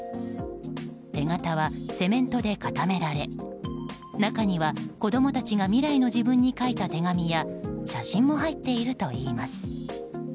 手形はセメントで固められ中には、子供たちが未来の自分に書いた手紙や写真も入っているといいます。